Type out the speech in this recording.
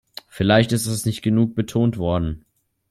Vielleicht ist das nicht genug betont worden.